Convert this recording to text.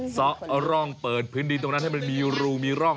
ซะร่องเปิดพื้นดินตรงนั้นให้มันมีรูมีร่อง